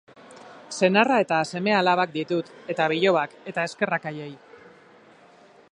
Senarra eta seme-alabak ditut, eta bilobak, eta eskerrak haiei.